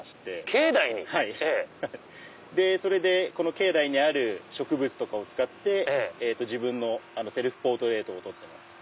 境内に⁉それでこの境内にある植物とかを使って自分のセルフポートレートを撮ってます。